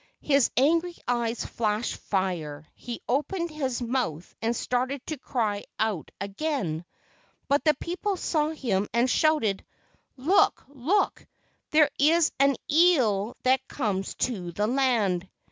His angry eyes flashed fire, he opened his mouth and started to cry out again, but the people saw him and shouted: "Look, look, there is an eel that comes to the land.